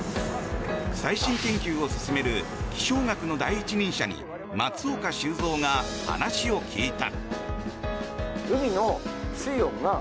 最新研究を進める気象学の第一人者に松岡修造が話を聞いた。